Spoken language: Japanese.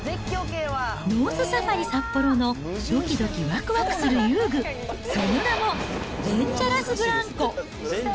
ノースサファリサッポロのどきどきわくわくする遊具、その名も、デンジャラスブランコ。